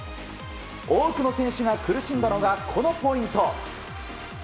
多くの選手が苦しんだのがこのポイント。